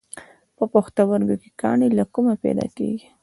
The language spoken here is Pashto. په پښتورګو کې کاڼي له کومه پیدا کېږي؟